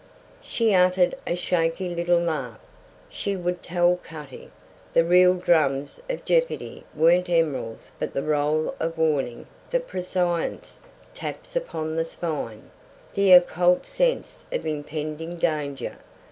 She uttered a shaky little laugh. She would tell Cutty. The real drums of jeopardy weren't emeralds but the roll of warning that prescience taps upon the spine, the occult sense of impending danger.